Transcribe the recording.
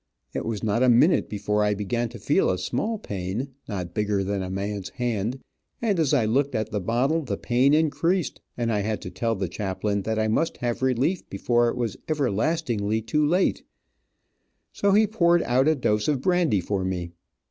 It was not a minute before I began to feel a small pain, not bigger than a man's hand, and as I looked at the bottle the pain increased, and I had to tell the chaplain that I must have relief before it was everlastingly too late, so he poured out a dose of brandy for me.